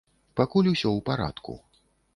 Пакуль усё ў парадку.